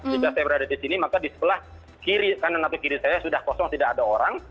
jika saya berada di sini maka di sebelah kiri kanan atau kiri saya sudah kosong tidak ada orang